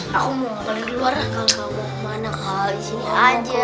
entah aku mau keluar kalau kamu kemana kau disini aja